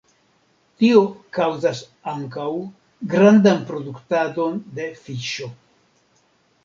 Tio kaŭzas ankaŭ grandan produktadon de fiŝo.